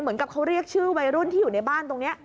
เหมือนกับเขาเรียกชื่อวัยรุ่นที่อยู่ในบ้านตรงนี้